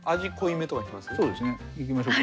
そうですねいきましょうか。